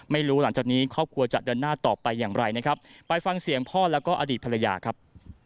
หลังจากนี้ครอบครัวจะเดินหน้าต่อไปอย่างไรนะครับไปฟังเสียงพ่อแล้วก็อดีตภรรยาครับ